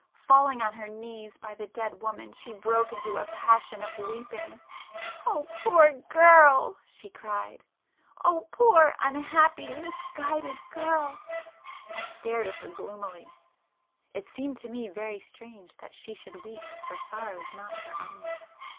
Falling on her knees by the dead woman she broke into a passion of weeping. "Oh, poor girl!" she cried—"Oh, poor, unhappy, misguided girl!" I stared at her gloomily. It seemed to me very strange that she should weep for sorrows not her own.